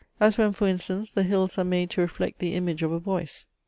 As when, for instance, the hills are made to reflect the image of a voice.